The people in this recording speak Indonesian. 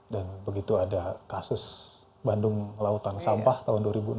dan begitu ada kasus bandung melautan sampah tahun dua ribu enam